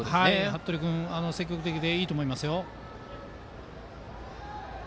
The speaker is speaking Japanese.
服部君、積極的でいいと思いますよ。